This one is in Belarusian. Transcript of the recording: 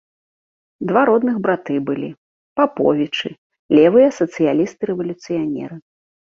Два родных браты былі, паповічы, левыя сацыялісты-рэвалюцыянеры.